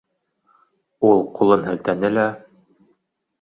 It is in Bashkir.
Ул ҡулын һелтәне лә: